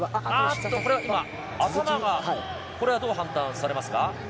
頭がどう判断されますか？